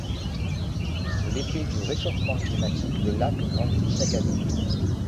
Sous l'effet du réchauffement climatique le lac grandit chaque année.